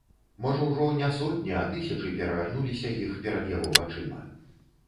Можа ўжо не сотні, а тысячы перавярнулася іх перад яго вачыма.